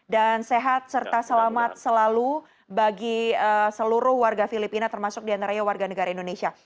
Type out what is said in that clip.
dan sehat serta selamat selalu bagi seluruh warga filipina termasuk diantaranya warga negara indonesia